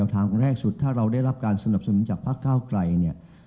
ทางแรกสุดถ้าเราได้รับการสนับสนุนจากภาคเก้าไกลเนี่ย